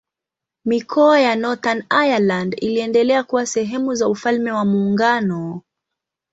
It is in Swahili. Mikoa ya Northern Ireland iliendelea kuwa sehemu za Ufalme wa Muungano.